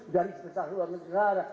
garis besar haluan negara